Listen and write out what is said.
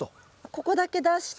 ここだけ出して。